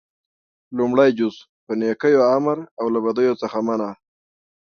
لومړی جز - په نيکيو امر او له بديو څخه منع: